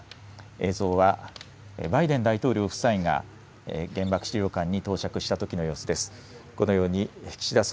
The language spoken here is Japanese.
映像はバイデン大統領夫妻が原爆資料館に到着したときの様子です。